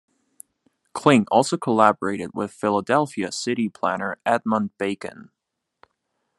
Kling also collaborated with Philadelphia city planner Edmund Bacon.